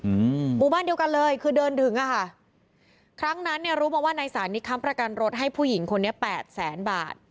อืมหมู่บ้านเดียวกันเลยคือเดินถึงอ่ะค่ะครั้งนั้นเนี้ยรู้มาว่านายสารนี้ค้ำประกันรถให้ผู้หญิงคนนี้แปดแสนบาท